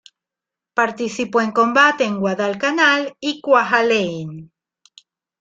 Participó en combate en Guadalcanal y Kwajalein.